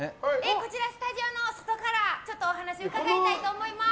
スタジオの外からちょっとお話を伺いたいと思います。